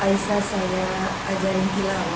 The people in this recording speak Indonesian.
aisyah saya ajarin tilawah